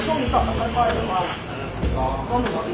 ช่วงประมาณรู้สึกอยู่